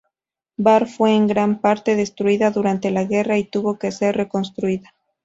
Bar fue en gran parte destruida durante la guerra y tuvo que ser reconstruida.